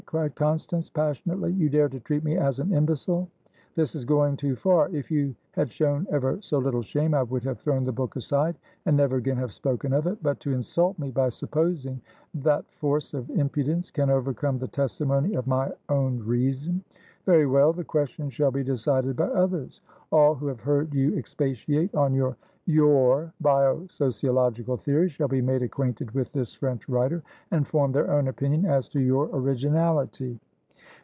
cried Constance, passionately. "You dare to treat me as an imbecile! This is going too far! If you had shown ever so little shame I would have thrown the book aside, and never again have spoken of it. But to insult me by supposing that force of impudence can overcome the testimony of my own reason! Very well. The question shall be decided by others. All who have heard you expatiate on youryour 'bio sociological' theory shall be made acquainted with this French writer, and form their own opinion as to your originality."